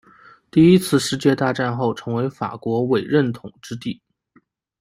第一次世界大战后成为法国委任统治地。